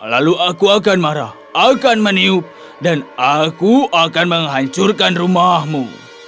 lalu aku akan marah akan meniup dan aku akan menghancurkan rumahmu